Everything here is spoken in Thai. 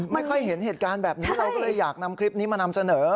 ไม่ค่อยเห็นเหตุการณ์แบบนี้เราก็เลยอยากนำคลิปนี้มานำเสนอ